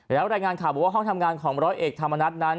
แล้วรายงานข่าวบอกว่าห้องทำงานของร้อยเอกธรรมนัฐนั้น